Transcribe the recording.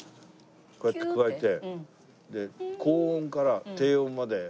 こうやってくわえて。